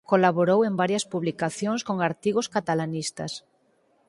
Colaborou en varias publicacións con artigos catalanistas.